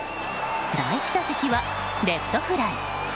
第１打席は、レフトフライ。